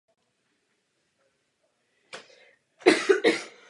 Na počátku sedmdesátých let studoval hudbu na City College of San Francisco.